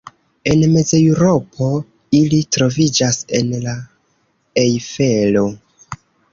En Mezeŭropo ili troviĝas en la Ejfelo.